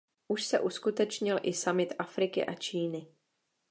Už se uskutečnil i summit Afriky a Číny.